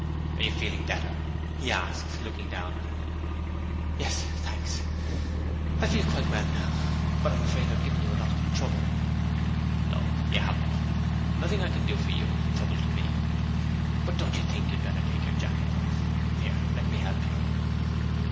'Are you feeling better?' he asked, looking down at her. 'Yes, thanks. I feel quite well now; but I'm afraid I've given you a lot of trouble.' 'No, you haven't. Nothing I can do for you is a trouble to me. But don't you think you'd better take your jacket off? Here, let me help you.'